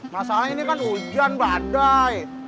masalahnya ini kan hujan badai